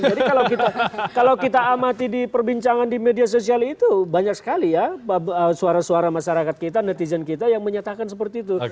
jadi kalau kita amati di perbincangan di media sosial itu banyak sekali ya suara suara masyarakat kita netizen kita yang menyatakan seperti itu